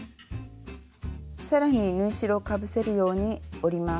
更に縫い代をかぶせるように折ります。